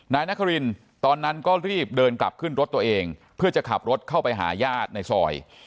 นายนครินตอนนั้นก็รีบเดินกลับขึ้นรถตัวเองเพื่อจะขับรถเข้าไปหาญาติในซอย